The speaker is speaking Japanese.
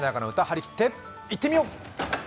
張り切っていってみよう。